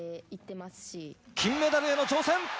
金メダルへの挑戦！